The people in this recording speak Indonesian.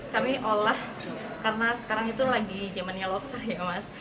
kami olah karena sekarang itu lagi zamannya lobster ya mas